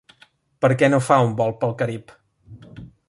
Per què no fa un vol pel Carib?